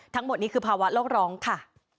ทั้งหมดนี้คือภาวะโลกร้องค่ะ